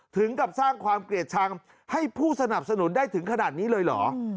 ถึงกับสร้างความเกลียดชังให้ผู้สนับสนุนได้ถึงขนาดนี้เลยเหรอ